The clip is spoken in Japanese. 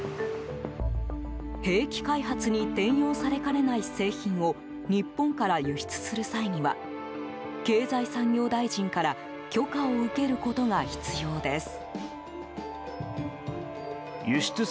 兵器開発に転用されかねない製品を日本から輸出する際には経済産業大臣から許可を受けることが必要です。